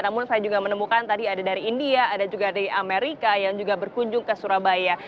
namun saya juga menemukan tadi ada dari india ada juga dari amerika yang juga berkunjung ke surabaya